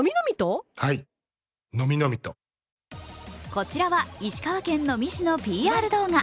こちらは石川県能美市のＰＲ動画。